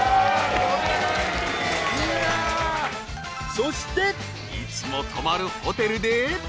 ［そしていつも泊まるホテルで］